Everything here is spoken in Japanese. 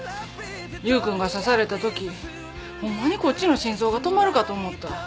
優君が刺されたときホンマにこっちの心臓が止まるかと思った。